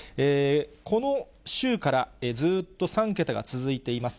この週からずっと３桁が続いています。